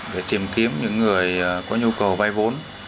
để tìm kiếm những người có nhu cầu vay vốn